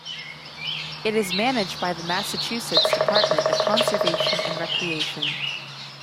It is managed by the Massachusetts Department of Conservation and Recreation.